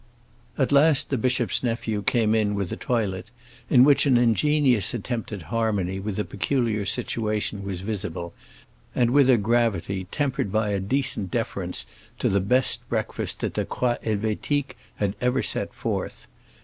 At last the bishop's nephew came in with a toilet in which an ingenious attempt at harmony with the peculiar situation was visible, and with a gravity tempered by a decent deference to the best breakfast that the Croix Helvétique had ever set forth.